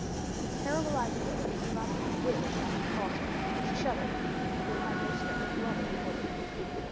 The terrible idea that he was writing his will flashed across her; she shuddered, and yet had not strength to utter a word.